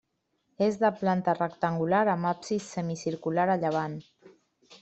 És de planta rectangular amb absis semicircular a llevant.